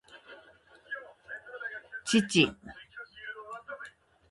父